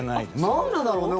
なんでだろうね？